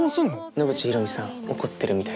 野口大海さん怒ってるみたい。